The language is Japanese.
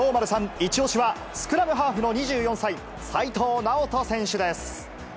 一押しは、スクラムハーフの２４歳、齋藤直人選手です。